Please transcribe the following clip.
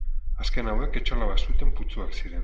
Azken hauek etxola bat zuten putzuak ziren.